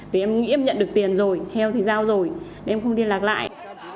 vì em nghĩ em nhận được tiền rồi heo thì giao rồi em không liên lạc lại